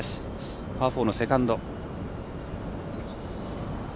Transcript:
パー４のセカンド。